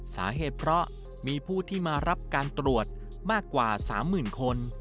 สาเหตุเพราะมีผู้ที่มารับการตรวจมากกว่า๓๐๐๐คน